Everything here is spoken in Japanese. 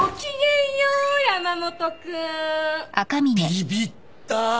ビビった！